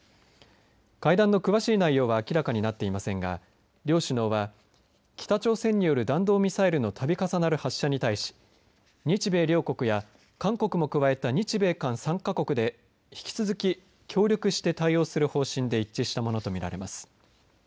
会談の詳しい内容は明らかになっていませんが両首脳は北朝鮮による弾道ミサイルのたび重なる発射に対し日米両国や韓国も加えた日米韓３か国で引き続き協力して対応する方針で一致したものと見られます。